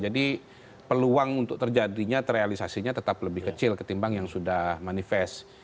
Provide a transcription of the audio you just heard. jadi peluang untuk terjadinya terrealisasinya tetap lebih kecil ketimbang yang sudah manifest